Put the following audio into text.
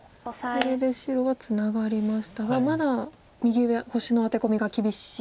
これで白はツナがりましたがまだ右上星のアテコミが厳しい。